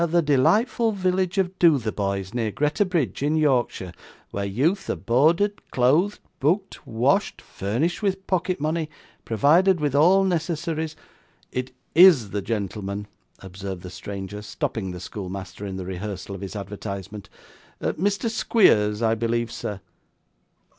At the delightful village of Dotheboys, near Greta Bridge in Yorkshire, where youth are boarded, clothed, booked, washed, furnished with pocket money, provided with all necessaries ' 'It IS the gentleman,' observed the stranger, stopping the schoolmaster in the rehearsal of his advertisement. 'Mr. Squeers, I believe, sir?